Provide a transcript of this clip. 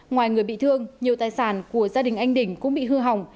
ngoài người bị thương nhiều tài sản của gia đình anh đỉnh cũng bị hư hỏng